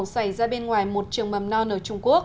xảy ra bên ngoài một trường mầm non ở trung quốc